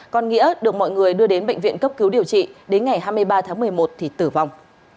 còn nghĩa được mọi người đưa đến bệnh viện cấp cứu điều trị đến ngày hai mươi ba tháng một mươi một thì tử vong